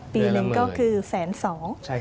ปีหนึ่งก็คือ๑๒๐๐๐๐บาท